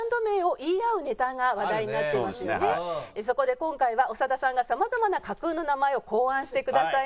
そこで今回は長田さんが様々な架空の名前を考案してくださいました。